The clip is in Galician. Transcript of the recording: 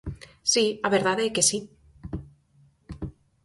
Si, a verdade é que si.